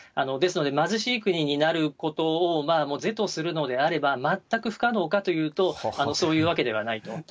ですので、貧しい国になることを是とするのであれば、全く不可能かというと、そういうわけではないと。